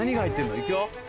行くよ。